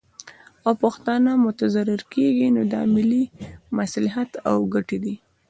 او پښتانه متضرر کیږي، نو دا ملي مصلحت او ګټې دي